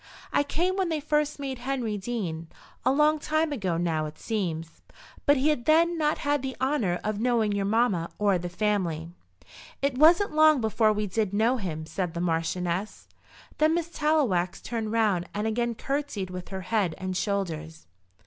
"I came when they first made Henry dean, a long time ago now it seems. But he had not then the honour of knowing your mamma or the family." "It wasn't long before we did know him," said the Marchioness. Then Miss Tallowax turned round and again curtseyed with her head and shoulders.